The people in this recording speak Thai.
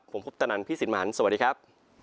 ผมพุทธนันทร์พี่สินหมานสวัสดีครับ